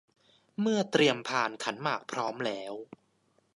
เมื่อเตรียมพานขันหมากพร้อมแล้ว